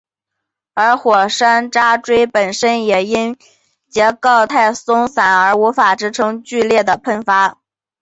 而火山渣锥本身也因为构造太为松散而无法支撑剧烈的喷发。